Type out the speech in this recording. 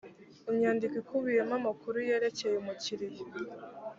inyandiko ikubiyemo amakuru yerekeye umukiriya